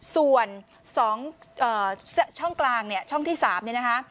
ส่วน๒ช่องกลางช่องที่๓นะคะ